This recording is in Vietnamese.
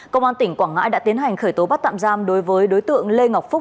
công an tỉnh quảng ngãi đã tiến hành khởi tố bắt tạm giam đối với đối tượng lê ngọc phúc